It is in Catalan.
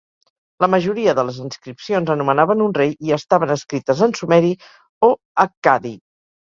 La majoria de les inscripcions anomenaven un rei i estaven escrites en sumeri o accadi.